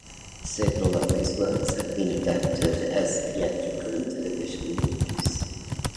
Several of his works have been adapted as theatrical and television movies.